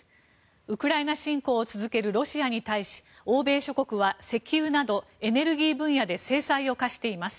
ウクライナ侵攻を続けるロシアに対し、欧米諸国は石油などエネルギー分野で制裁を科しています。